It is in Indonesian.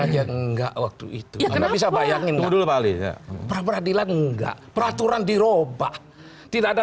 aja enggak waktu itu karena bisa bayangin dulu balik pra peradilan enggak peraturan dirobah tidak ada